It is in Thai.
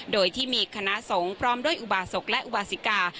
โดยที่มีคณะสงฆ์พร้อมด้วยอุบาศกและอุบาสิกา